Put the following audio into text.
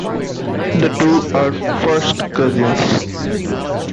The two are first cousins.